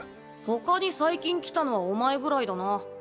ほかに最近来たのはお前ぐらいだな。